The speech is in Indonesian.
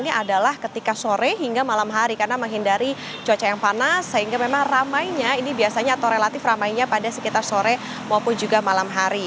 ini adalah ketika sore hingga malam hari karena menghindari cuaca yang panas sehingga memang ramainya ini biasanya atau relatif ramainya pada sekitar sore maupun juga malam hari